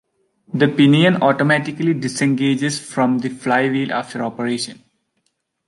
The pinion automatically disengages from the flywheel after operation.